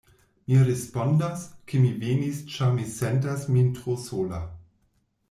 Mi respondas, ke mi venis ĉar mi sentas min tro sola.